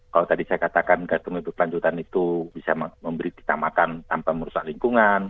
kalau tadi saya katakan gastronomi berkelanjutan itu bisa memberi kita makan tanpa merusak lingkungan